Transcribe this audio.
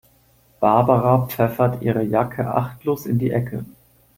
Barbara pfeffert ihre Jacke achtlos in die Ecke.